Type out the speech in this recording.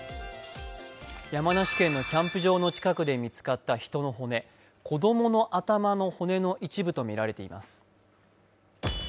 山梨県のキャンプ場の近くで見つかった人の骨、子供の頭の骨の一部とみられています。